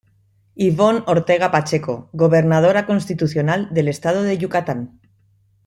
Ivonne Ortega Pacheco Gobernadora Constitucional del Estado de Yucatán.